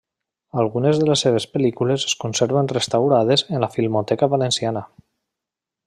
Algunes de les seues pel·lícules es conserven restaurades en la Filmoteca Valenciana.